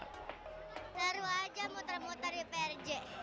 teru aja muter muter di prj